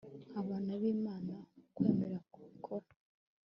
nk'abana b'imana, ukwemera kubikora